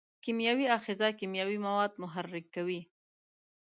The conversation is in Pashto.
کیمیاوي آخذه کیمیاوي مواد محرک کوي.